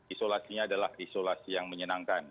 isolasinya adalah isolasi yang menyenangkan